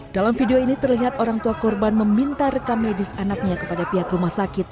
dalam video ini terlihat orang tua korban meminta rekam medis anaknya kepada pihak rumah sakit